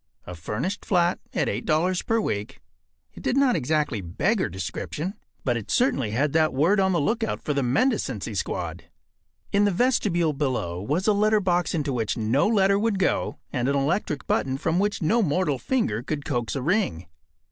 A furnished flat at $8 per week. It did not exactly beggar description, but it certainly had that word on the lookout for the mendicancy squad. In the vestibule below was a letter box into which no letter would go, and an electric button from which no mortal finger could coax a ring.